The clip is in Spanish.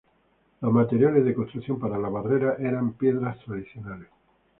Los materiales de construcción para la barrera eran piedras tradicionales.